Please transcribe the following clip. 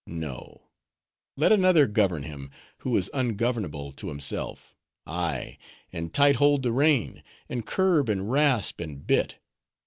No; let another govern him, who is ungovernable to himself Ay, and tight hold the rein; and curb, and rasp the bit.